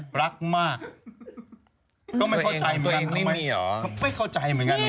ไปขโมยของเขาดูดิ